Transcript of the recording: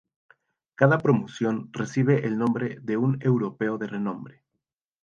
Cada promoción recibe el nombre de un europeo de renombre.